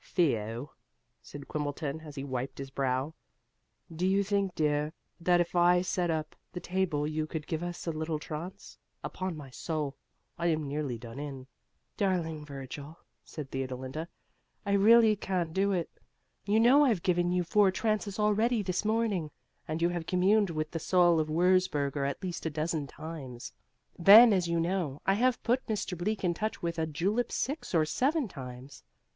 "Theo," said Quimbleton, as he wiped his brow, "do you think, dear, that if I set up the table you could give us a little trance? Upon my soul, I am nearly done in." "Darling Virgil," said Theodolinda, "I really can't do it. You know I've given you four trances already this morning, and you have communed with the soul of Wurzburger at least a dozen times. Then, as you know, I have put Mr. Bleak in touch with a julep six or seven times.